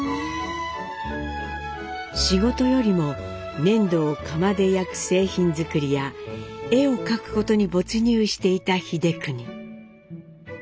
仕事よりも粘土を窯で焼く製品作りや絵を描くことに没入していた英邦。